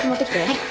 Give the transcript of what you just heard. はい。